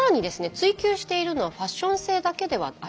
追求しているのはファッション性だけではありません。